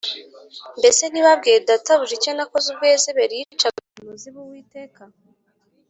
Mbese ntibabwiye databuja icyo nakoze ubwo Yezebeli yicaga abahanuzi b’Uwiteka